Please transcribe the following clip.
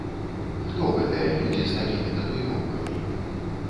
Хто гэтыя людзі з такімі татуіроўкамі?